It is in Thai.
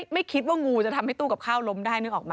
ไม่คิดว่างูจะทำให้ตู้กับข้าวล้มได้นึกออกมา